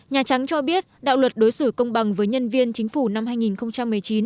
nhà trắng cho biết đạo luật đối xử công bằng với nhân viên chính phủ năm hai nghìn một mươi chín